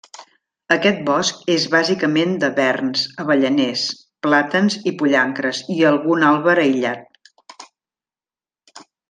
Aquest bosc és bàsicament de verns, avellaners, plàtans i pollancres, i algun àlber aïllat.